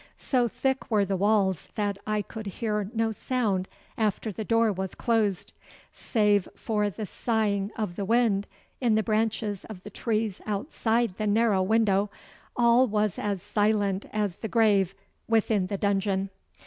So thick were the walls that I could hear no sound after the door was closed. Save for the sighing of the wind in the branches of the trees outside the narrow window, all was as silent as the grave within the dungeon.